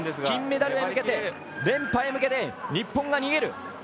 金メダルへ向けて連覇へ向けて日本が逃げる。